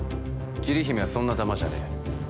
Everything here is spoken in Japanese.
桐姫はそんなタマじゃねえ